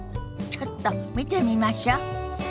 ちょっと見てみましょ。